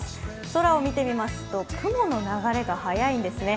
空を見てみますと雲の流れが速いんですね。